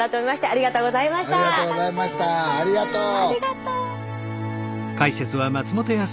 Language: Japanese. ありがとう！